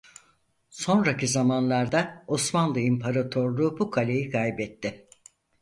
Sonraki zamanlarda Osmanlı İmparatorluğu bu kaleyi kaybetti.